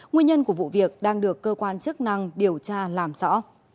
nguyên nhân của vụ việc đang được cơ quan chức năng điều tra làm rõ